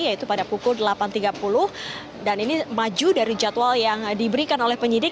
yaitu pada pukul delapan tiga puluh dan ini maju dari jadwal yang diberikan oleh penyidik